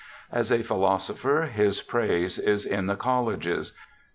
As a philosopher his praise is in the colleges.